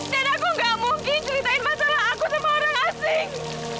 dan aku gak mungkin ceritain masalah aku sama orang asing